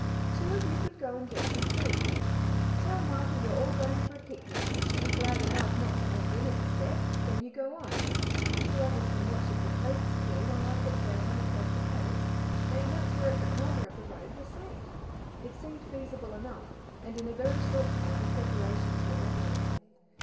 "Two of you could go and get some food. Tell Martha you are all going for a picnic she'll be glad enough not to have dinner to set then you go on. Two others can watch if the coast's clear while I get down and across the paddocks, and once we're at the corner of the road we're safe." It seemed feasible enough, and in a very short time the preparations were all made.